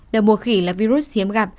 đậu mùa khỉ là virus hiếm gặp